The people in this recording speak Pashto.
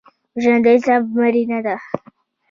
وژنه د انصاف مړینه ده